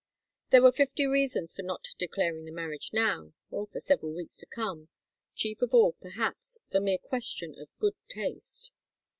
There were fifty reasons for not declaring the marriage now, or for several weeks to come chief of all, perhaps, the mere question of good taste.